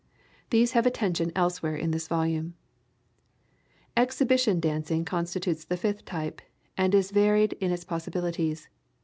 These have attention elsewhere in this volume. Exhibition dancing constitutes the fifth type, and is varied in its possibilities.